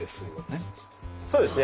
そうですね。